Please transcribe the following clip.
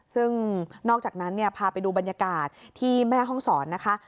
ซึ่งนอกจากนั้นพาไปดูบรรยากาศที่แม่ห้องศรนะคะ